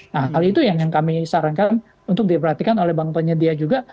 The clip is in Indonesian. nah hal itu yang kami sarankan untuk diperhatikan oleh bank penyedia juga